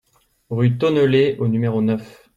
Rue Tonnellé au numéro neuf